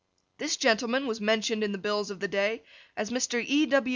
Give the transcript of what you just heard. This gentleman was mentioned in the bills of the day as Mr. E.